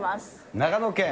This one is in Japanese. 長野県。